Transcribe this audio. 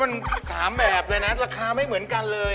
มัน๓แบบเลยนะราคาไม่เหมือนกันเลย